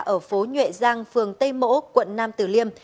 ở phố nhuệ giang phường tây mỗ quận nam tử liêm